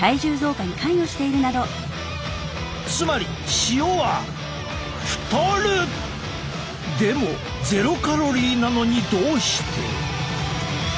つまり塩はでもゼロカロリーなのにどうして？